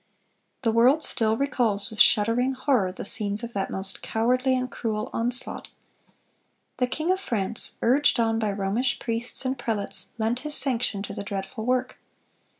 The world still recalls with shuddering horror the scenes of that most cowardly and cruel onslaught. The king of France, urged on by Romish priests and prelates, lent his sanction to the dreadful work.